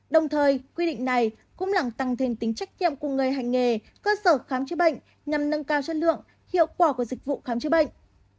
đồng thời quy định này cũng làm tăng thêm tính trách nhiệm của người hành nghề cơ sở khám chữa bệnh nhằm nâng cao chất lượng hiệu quả của dịch vụ khám chữa bệnh